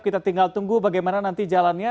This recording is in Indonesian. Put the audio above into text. kita tinggal tunggu bagaimana nanti jalannya